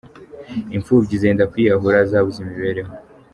Imfubyi zenda kwiyahura zabuze imibereho ?